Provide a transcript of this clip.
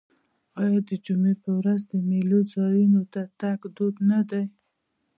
آیا د جمعې په ورځ د میلو ځایونو ته تګ دود نه دی؟